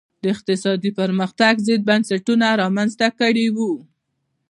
د اقتصادي پرمختګ ضد بنسټونه رامنځته کړي وو.